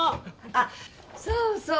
あっそうそう。